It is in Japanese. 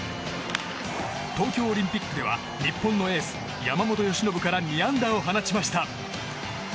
東京オリンピックでは日本のエース、山本由伸から２安打を放ちました。